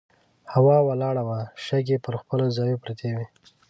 هوا ولاړه وه، شګې پر خپلو ځایونو پرتې وې.